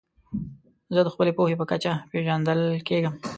زه د خپلي پوهي په کچه پېژندل کېږم.